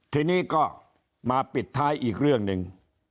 ทีนี้ก็มาปิดท้ายอีกเรื่องหนึ่ง